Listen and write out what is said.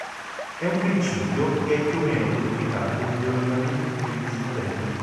È un principio che è più o meno codificato negli ordinamenti giuridici moderni.